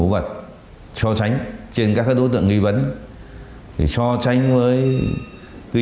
sau khi say xịn giang về nhà và phát sinh mâu thuẫn với gia đình nên bỏ ra trò dễ ngủ